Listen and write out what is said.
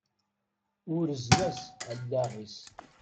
Urzen-as allaɣ-is.